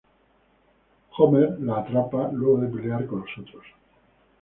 Homer la atrapa, luego de pelear con los otros.